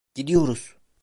Gidiyoruz!